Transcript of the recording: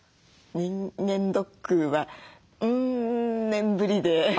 人間ドックはうん年ぶりで。